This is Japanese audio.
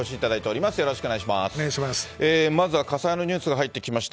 まずは火災のニュースが入ってきました。